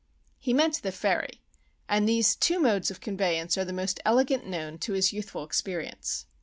He meant the ferry; and these two modes of conveyance are the most elegant known to his youthful experience.